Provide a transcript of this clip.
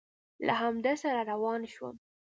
له همده سره روان شوم.